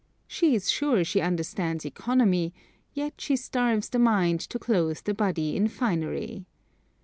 She is sure she understands economy, yet she starves the mind to clothe the body in finery.